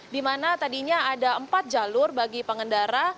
di mana tadinya ada empat jalur bagi pengendara